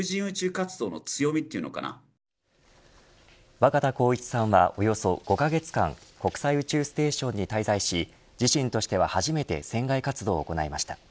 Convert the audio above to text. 若田光一さんはおよそ５カ月間国際宇宙ステーションに滞在し自身としては初めて船外活動を行いました。